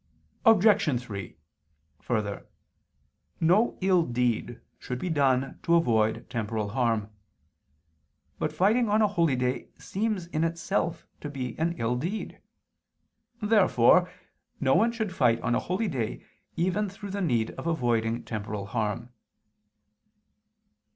Obj. 3: Further, no ill deed should be done to avoid temporal harm. But fighting on a holy day seems in itself to be an ill deed. Therefore no one should fight on a holy day even through the need of avoiding temporal harm.